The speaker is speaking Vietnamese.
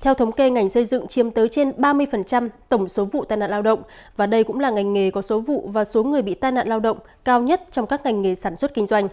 theo thống kê ngành xây dựng chiếm tới trên ba mươi tổng số vụ tai nạn lao động và đây cũng là ngành nghề có số vụ và số người bị tai nạn lao động cao nhất trong các ngành nghề sản xuất kinh doanh